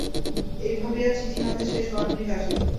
এই ভাবিয়া চিঠি-হাতে সে শয়নগৃহে আসিল।